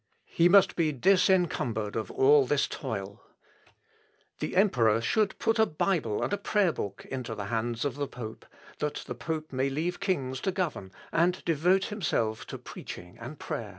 He must be disencumbered of all this toil. The emperor should put a bible and a prayer book into the hands of the pope, that the pope may leave kings to govern, and devote himself to preaching and prayer."